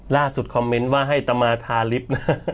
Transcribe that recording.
ล่าสุดคอมเมนต์ว่าให้ตะมาทาลิฟต์